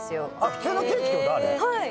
普通のケーキってこと⁉あれ。